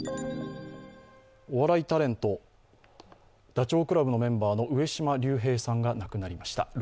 お笑いタレント、ダチョウ倶楽部のメンバーの上島竜兵さんが亡くなりました。